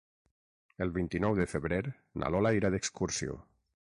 El vint-i-nou de febrer na Lola irà d'excursió.